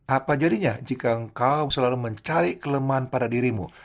apa jadinya jika engkau selalu mencari kelemahan pada dirimu